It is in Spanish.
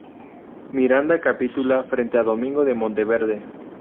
Miranda capitula frente a Domingo de Monteverde.